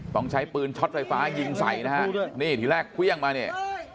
ต้องใช้ปืนช็อตไฟฟ้ายิงใส่นะฮะนี่ทีแรกเครื่องมาเนี่ย